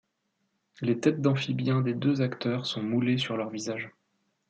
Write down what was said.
Les têtes d'amphibiens des deux acteurs sont moulées sur leurs visages.